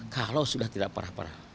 kalau sudah tidak parah parah